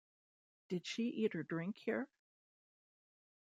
Did she eat or drink here?